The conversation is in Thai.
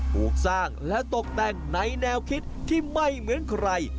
ถูกสร้างและตกแต่งในแนวคิดที่ไม่เหมือนใคร